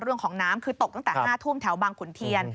เรื่องของน้ำคือตกตั้งแต่๕ทุ่มแถวบางขุนเทียน